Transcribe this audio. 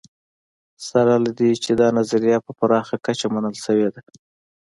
سره له دې چې دا نظریه په پراخه کچه منل شوې ده